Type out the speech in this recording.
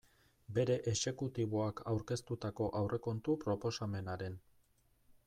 Bere exekutiboak aurkeztutako aurrekontu proposamenaren.